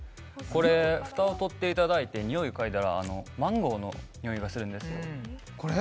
これフタを取っていただいて匂いを嗅いだらマンゴーの匂いがするんですよこれ？